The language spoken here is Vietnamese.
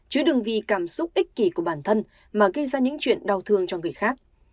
chứa đừng vì cảm xúc ích kỳ của bản thân mà gây ra những chuyện đau thương cho người khác